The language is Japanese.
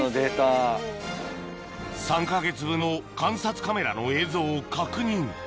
３か月分の観察カメラの映像を確認